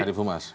ya karib humas